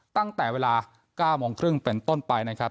ตั้งแต่เวลา๙โมงครึ่งเป็นต้นไปนะครับ